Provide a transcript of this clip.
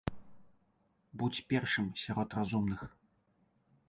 Будзь першым сярод разумных!